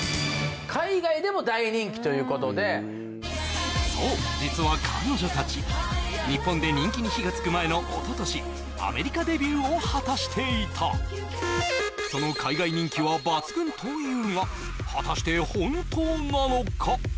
海外でも大人気ということでそう実は彼女たち日本で人気に火がつく前のおととしアメリカデビューを果たしていたその海外人気は抜群というが果たして本当なのか